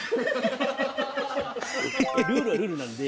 ルールはルールなんで。